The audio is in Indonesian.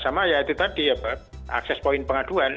sama ya itu tadi akses poin pengaduan